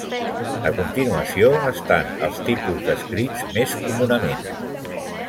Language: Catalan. A continuació estan els tipus descrits més comunament.